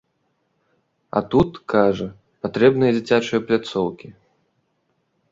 А тут, кажа, патрэбныя дзіцячыя пляцоўкі.